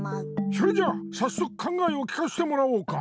それじゃあさっそくかんがえをきかしてもらおうか。